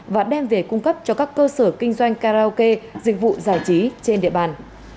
và đem về cung cấp cho các cơ sở kinh doanh karaoke dịch vụ giải trí trên địa bàn